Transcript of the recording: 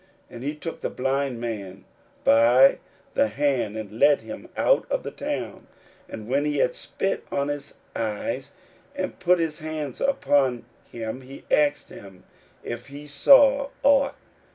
41:008:023 And he took the blind man by the hand, and led him out of the town; and when he had spit on his eyes, and put his hands upon him, he asked him if he saw ought.